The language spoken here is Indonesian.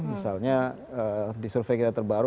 misalnya di survei kita terbaru